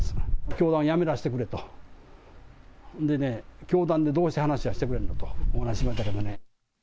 教団辞めさせてくれと、でね、教団でどう話をしてくれるのとお話しましたけれどもね。